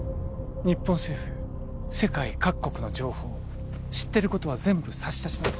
日本政府世界各国の情報知ってることは全部差し出します